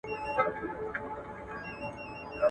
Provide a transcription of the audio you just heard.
ایا څېړونکی باید هره ورځ مطالعه وکړي؟